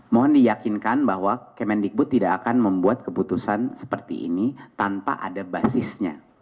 mohon diyakinkan bahwa kemendikbud tidak akan membuat keputusan seperti ini tanpa ada basisnya